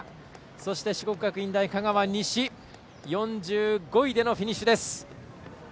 そして四国学院大香川西４５位でのフィニッシュです。